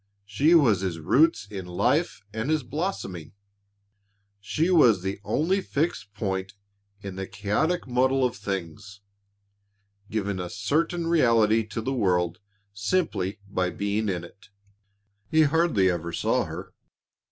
She was his roots in life and his blossoming. She was the only fixed point in the chaotic muddle of things, giving a certain reality to the world simply by being in it. He hardly ever saw her.